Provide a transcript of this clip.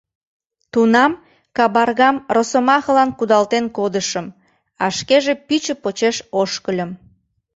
Тунам кабаргам росомахылан кудалтен кодышым, а шкеже пӱчӧ почеш ошкыльым.